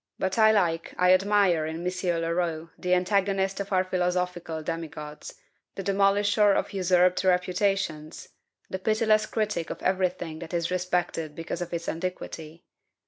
But I like, I admire, in M. Leroux, the antagonist of our philosophical demigods, the demolisher of usurped reputations, the pitiless critic of every thing that is respected because of its antiquity.